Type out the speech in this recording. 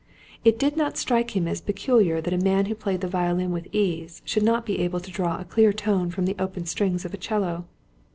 It did not strike him as peculiar that a man who played the violin with ease, should not be able to draw a clear tone from the open strings of a 'cello.